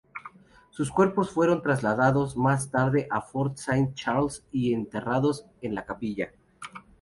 Sus cuerpos fueron trasladados más tarde a Fort Saint-Charles y enterrados en la capilla.